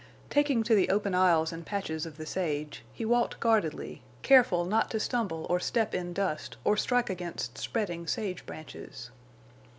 Taking to the open aisles and patches of the sage, he walked guardedly, careful not to stumble or step in dust or strike against spreading sage branches.